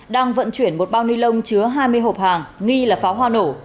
đang vận chuyển một bao ni lông chứa hai mươi hộp hàng nghi là pháo hoa nổ